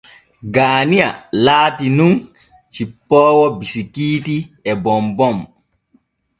Gaaniya laati nun cippoowo bisikiiiti e bombom.